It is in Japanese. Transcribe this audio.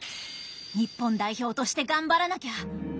日本代表として頑張らなきゃ！